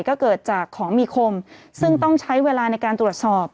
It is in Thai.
ก็เกิดจากของมีคมซึ่งต้องใช้เวลาในการตรวจสอบ